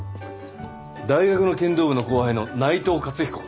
大学の剣道部の後輩の内藤勝彦。